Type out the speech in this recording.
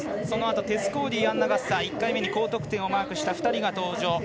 そのあとテス・コーディアンナ・ガッサー、１回目に高得点をマークした２人が登場。